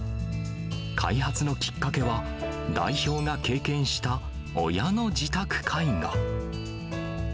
開発のきっかけは、代表が経験した親の自宅介護。